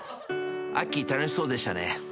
あっきー楽しそうでしたね。